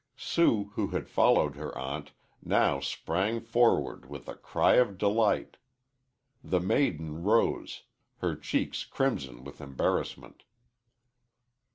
Sue, who had followed her aunt, now sprang forward with a cry of delight. The maiden rose, her cheeks crimson with embarrassment.